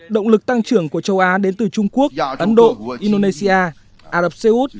động lực tăng trưởng của châu á đến từ trung quốc ấn độ indonesia ả rập xê út